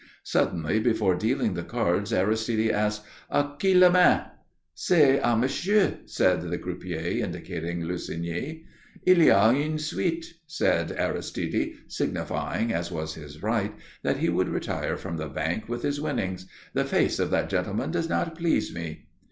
Suddenly, before dealing the cards, Aristide asked, "A qui la main?" "C'est à Monsieur," said the croupier, indicating Lussigny. "Il y a une suite," said Aristide, signifying, as was his right, that he would retire from the bank with his winnings. "The face of that gentleman does not please me."